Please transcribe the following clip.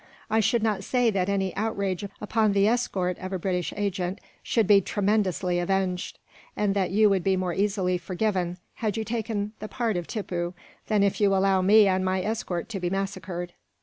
I need not say that any outrage upon the escort of a British agent would be tremendously avenged; and that you would be more easily forgiven, had you taken the part of Tippoo, than if you allow me and my escort to be massacred."